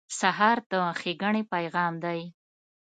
سهار د ښېګڼې پیغام دی.